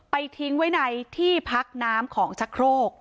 ทิ้งไว้ในที่พักน้ำของชะโครก